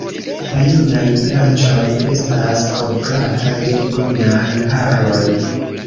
La junaj branĉoj estas kovrata de brunaj haroj.